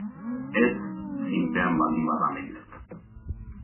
Ez, zinpean baldin bada behintzat!